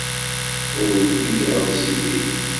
Ur rewwi tiɣawsiwin.